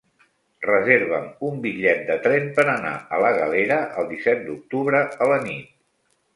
Reserva'm un bitllet de tren per anar a la Galera el disset d'octubre a la nit.